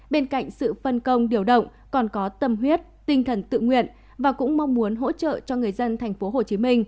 bên cạnh sự phân công điều động còn có tâm huyết tinh thần tự nguyện và cũng mong muốn hỗ trợ cho người dân tp hcm